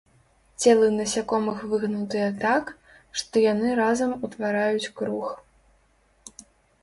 Целы насякомых выгнутыя так, што яны разам утвараюць круг.